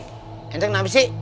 kenceng gak abis sih